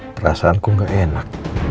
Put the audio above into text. perasaanku gak enak